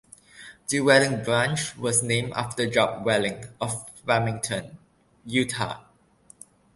The Welling Branch was named after Job Welling of Farmington, Utah.